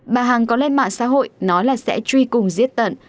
bà hằng có lên mạng xã hội nói là sẽ truy cùng giết tận